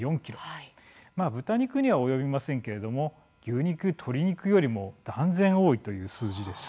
豚肉には及びませんけれども牛肉、鶏肉よりも断然多いという数字です。